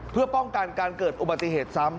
เพื่อป้องกันการเกิดอุบัติเหตุซ้ำ